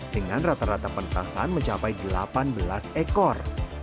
dengan rata rata pentasan mencapai delapan belas ekor